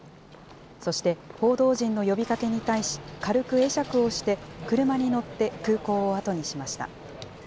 そして報道陣の呼びかけに対し、軽く会釈をして車に乗って空港を後にしました。